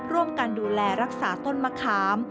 ร่วมกันดูแลรักษาต้นมะขาม